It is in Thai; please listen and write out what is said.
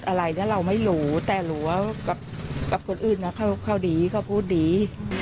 ไอ้เก็บโกดอะไรเนี่ยเราไม่รู้แต่รู้ว่ากับคนอื่นเขาดีเขาพูดดี